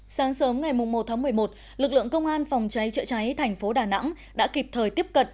sáng sớm ngày một tháng một mươi một lực lượng công an phòng cháy chữa cháy thành phố đà nẵng đã kịp thời tiếp cận